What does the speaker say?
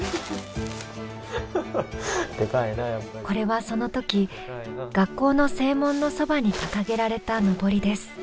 これはその時学校の正門のそばに掲げられたのぼりです。